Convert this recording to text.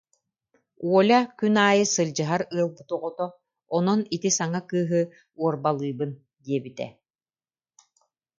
Оля күн аайы сылдьыһар ыалбыт оҕото, онон ити саҥа кыыһы уорбалыыбын диэбитэ